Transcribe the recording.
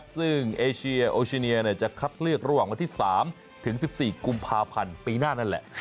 ซึ่งเอเชียโอชิเนียจะคัดเลือกระหว่างวันที่๓ถึง๑๔กุมภาพันธ์ปีหน้านั่นแหละ